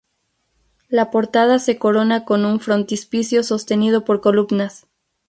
La portada se corona con un frontispicio sostenido por columnas.